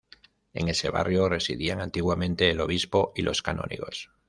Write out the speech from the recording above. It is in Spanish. En ese barrio residían antiguamente el obispo y los canónigos.